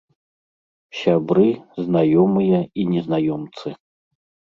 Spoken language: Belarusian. Сябры, знаёмыя і незнаёмцы.